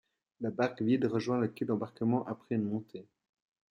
La barque, vide, rejoint le quai d'embarquement, après une montée.